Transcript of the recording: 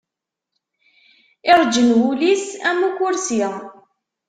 Iṛǧen wul-is, am ukurṣi.